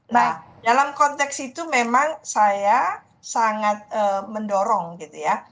nah dalam konteks itu memang saya sangat mendorong gitu ya